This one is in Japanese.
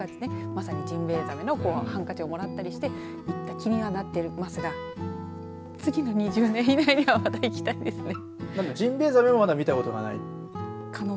まさにジンベエザメのハンカチをもらったりして行った気にはなっていますが次の２０年以内には行きたいですね。